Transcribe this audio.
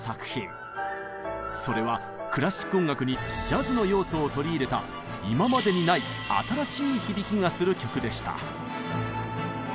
それはクラシック音楽にジャズの要素を取り入れた今までにない新しい響きがする曲でした。